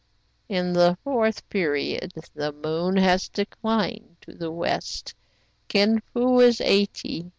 "In the fourth period the moon has declined to the west. Kin Fo is eighty.